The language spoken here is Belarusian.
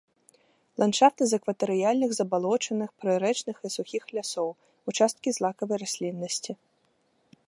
Ландшафты з экватарыяльных забалочаных, прырэчных і сухіх лясоў, участкі злакавай расліннасці.